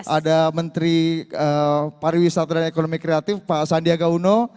ada menteri pariwisata dan ekonomi kreatif pak sandiaga uno